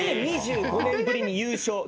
２５年ぶりに優勝